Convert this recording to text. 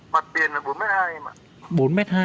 mặt tiền là bốn m hai em ạ